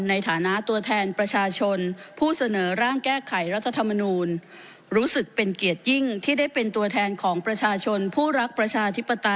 ในฐานะตัวแทนประชาชนผู้เสนอร่างแก้ไขรัฐธรรมนูลรู้สึกเป็นเกียรติยิ่งที่ได้เป็นตัวแทนของประชาชนผู้รักประชาธิปไตย